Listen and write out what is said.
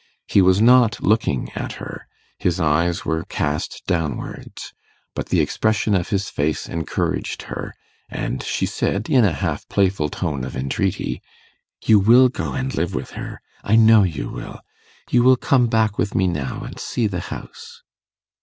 He was not looking at her; his eyes were cast downwards; but the expression of his face encouraged her, and she said, in a half playful tone of entreaty, 'You will go and live with her? I know you will. You will come back with me now and see the house.